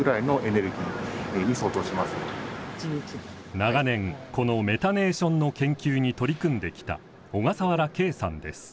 長年このメタネーションの研究に取り組んできた小笠原慶さんです。